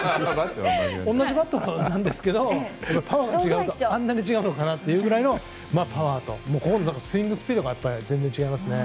同じバットなんですけどパワーが違うとあれだけ違うのかなというぐらいのパワーとスイングスピードが全然違いますね。